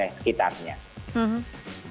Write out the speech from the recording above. nah ini adalah hal yang sangat penting